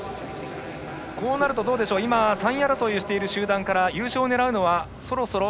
こうなると、今３位争いをしている集団から優勝を狙うのはそろそろ。